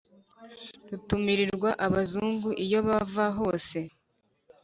Rutumirirwa Abazungu iyo bava hose